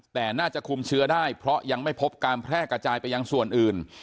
แต่น่าจะคุมเชื้อได้เพราะยังไม่พบการแพร่กระจายไปยังส่วนอื่น